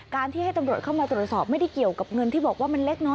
ที่ให้ตำรวจเข้ามาตรวจสอบไม่ได้เกี่ยวกับเงินที่บอกว่ามันเล็กเนอ